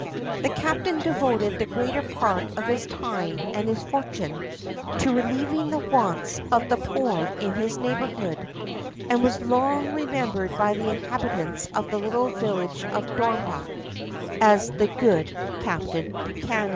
The captain devoted the greater part of his time and his fortune to relieving the wants of the poor in the neighbourhood, and was long remembered by the inhabitants of the little village of Dornbach as the "Good Captain Buchman."